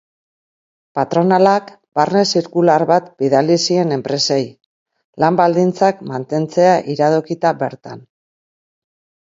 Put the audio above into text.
Patronalak barne-zirkular bat bidali zien enpresei, lan baldintzak mantentzea iradokita bertan.